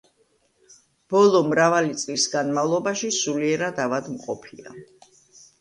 ბოლო მრავალი წლის განმავლობაში სულიერად ავადმყოფია.